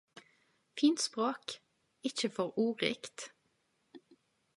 Fint språk - ikkje for ordrikt.